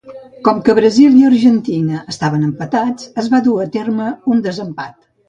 Com que Brasil i Argentina estaven empatats, es va dur a terme un desempat.